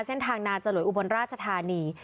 เส้นทางนาจลวยอุบลราชธานี